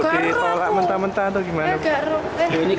jack lovers kan sudah kesini